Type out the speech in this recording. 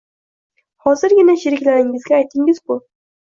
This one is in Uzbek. Hozirgina sheriklaringizga aytdingiz-ku